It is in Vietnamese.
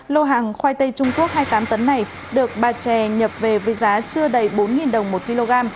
lô hàng khoai tây trung quốc hai mươi tám tấn này được bà chè nhập về với giá chưa đầy bốn đồng một kg